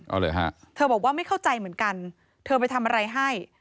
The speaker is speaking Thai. เอาเลยฮะเธอบอกว่าไม่เข้าใจเหมือนกันเธอไปทำอะไรให้